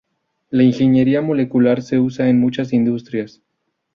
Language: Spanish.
La ingeniería molecular se usa en muchas industrias.